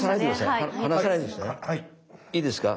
いいですか？